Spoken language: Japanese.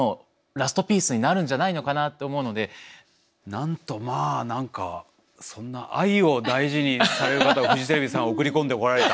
なんとまあ何かそんな愛を大事にされる方をフジテレビさんは送り込んでこられた。